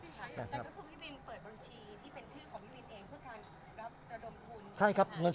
แต่ก็คือพี่บินเปิดบัญชีที่เป็นชื่อของพี่บินเองเพื่อการรับระดมทุน